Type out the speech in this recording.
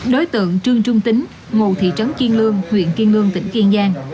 đối tượng trương trung tính ngụ thị trấn kiên lương huyện kiên lương tỉnh kiên giang